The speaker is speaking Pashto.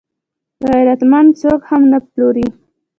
غیرتمند څوک هم نه پلوري